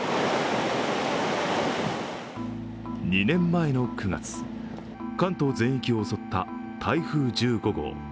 ２年前の９月、関東全域を襲った台風１５号。